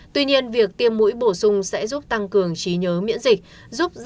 tuy nhiên việc tiêm mũi bổ sung sẽ giúp tăng cường trí nhớ miễn dịch